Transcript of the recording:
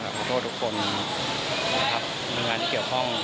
ขอโทษทุกคนนะครับหน่วยงานที่เกี่ยวข้อง